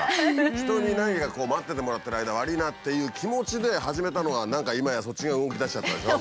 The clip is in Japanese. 人に何か待っててもらってる間悪いなという気持ちで始めたのが何か今やそっちが動きだしちゃったんでしょ？